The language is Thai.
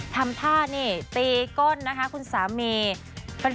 ทำท่านี่ตีก้นนะคะคุณสามี